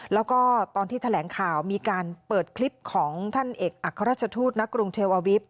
แล้วก็ตอนที่แถลงข่าวมีการเปิดคลิปของท่านเอกอัครราชทูตณกรุงเทวาวิฟท